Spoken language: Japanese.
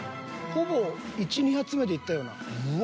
ほぼ１２発目でいったような］